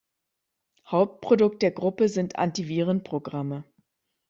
Hauptprodukt der Gruppe sind Antivirenprogramme.